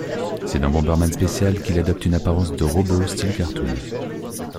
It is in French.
C'est dans Bomberman Special qu'il adopte une apparence de robot style cartoon.